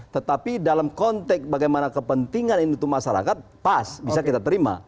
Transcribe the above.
tetapi dalam konteks bagaimana kepentingan ini untuk masyarakat pas bisa kita terima